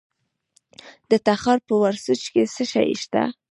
د تخار په ورسج کې څه شی شته؟